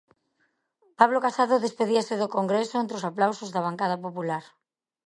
Pablo Casado despedíase do Congreso entre os aplausos da bancada popular.